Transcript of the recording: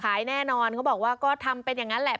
แน่นอนเขาบอกว่าก็ทำเป็นอย่างนั้นแหละ